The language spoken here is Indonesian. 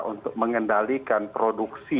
untuk mengendalikan produksi